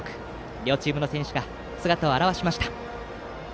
両チームの選手が姿を現しました。